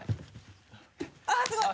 あっすごい。